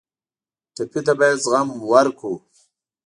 ټپي ته باید زغم ورکړو.